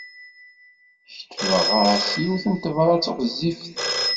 Ketbeɣ-as yiwet n tebṛat ɣezzifet.